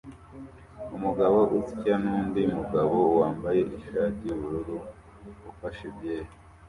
Umugabo usya nundi mugabo wambaye ishati yubururu ufashe byeri